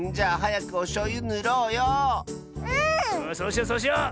そうしようそうしよう！